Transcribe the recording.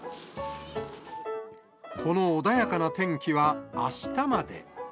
この穏やかな天気は、あしたまで。